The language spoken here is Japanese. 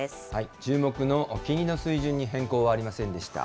注目の金利の水準に変更はありませんでした。